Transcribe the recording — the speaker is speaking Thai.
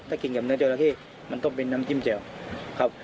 ถ้ากินกับเนื้อจราเข้มันต้องเป็นน้ำจิ้มแจ่วครับ